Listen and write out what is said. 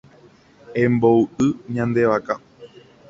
Emboy'u ñande vaka.